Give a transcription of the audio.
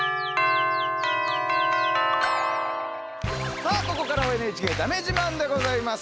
さあここからは「ＮＨＫだめ自慢」でございます。